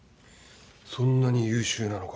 そんなに優秀なのか。